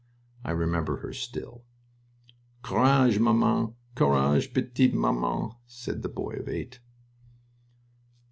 I remember her still. "Courage, maman! Courage, p'tite maman!" said the boy of eight.